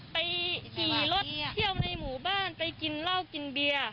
ขี่รถเที่ยวในหมู่บ้านไปกินเหล้ากินเบียร์